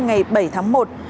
ngày bảy tháng một